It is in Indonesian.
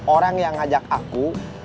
orang yang ngajak aku